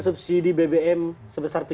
subsidi bbm sebesar